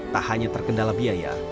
tak hanya terkendala biaya